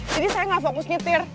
jadi saya gak fokus nyetir